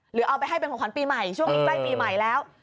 หรือเอาไปให้เป็นของขวัญปีใหม่ช่วงนี้ใกล้ปีใหม่แล้ว